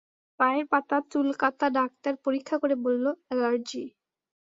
পায়ের পাতা চুলকাতা ডাক্তার পরীক্ষা করে বলল-অ্যালার্জি।